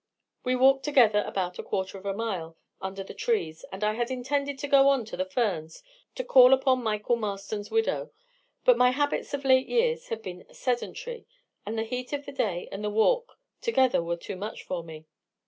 We walked together about a quarter of a mile under the trees, and I had intended to go on to the Ferns, to call upon Michael Marston's widow; but my habits of late years have been sedentary; the heat of the day and the walk together were too much for me.